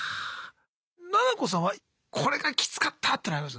ななこさんはこれがキツかったっていうのあります？